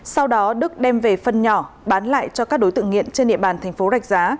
sau đó đức đem về phân nhỏ bán lại cho các đối tượng nghiện trên địa bàn thành phố rạch giá